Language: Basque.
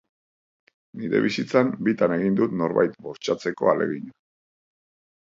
Nire bizitzan bitan egin dut norbait bortxatzeko ahalegina.